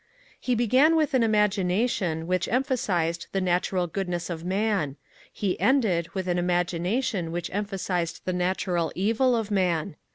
He began with an imagination which emphasized the natural goodness of man: he ended with an imagination which emphasized the natural evil of man.